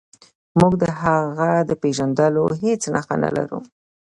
موږ د هغه د پیژندلو هیڅ نښه نلرو.